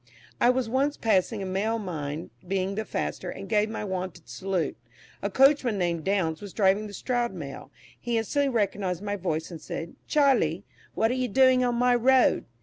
I was once passing a Mail, mine being the faster, and gave my wonted salute. A coachman named Downs was driving the Stroud Mail; he instantly recognised my voice, and said, "Charlie, what are you doing on my road?"